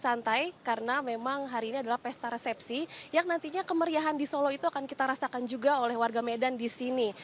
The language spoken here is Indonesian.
santai karena memang hari ini adalah pesta resepsi yang nantinya kemeriahan di solo itu akan kita rasakan juga oleh warga medan di sini